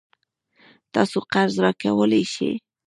تاسو قرض راکولای شئ؟